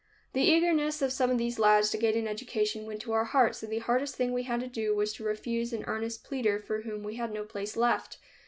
The eagerness of some of these lads to gain an education went to our hearts, and the hardest thing we had to do was to refuse an earnest pleader for whom we had no place left.